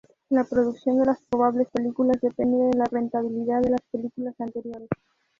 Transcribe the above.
La producción de las probables películas depende de la rentabilidad de las películas anteriores.